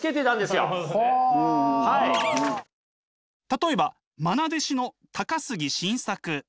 例えばまな弟子の高杉晋作！